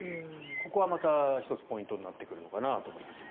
これがまた１つポイントになってくると思います。